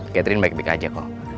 catering baik baik aja kok